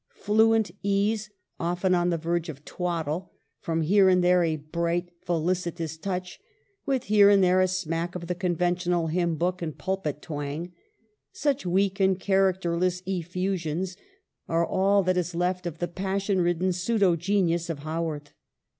Fluent ease, often on the verge of twaddle, with here and there a bright, felicitous touch, with here and there a smack of the conventional hymn book and pulpit twang — such weak and characterless effusions are all that is left of the passion ridden pseudo genius of Haworth.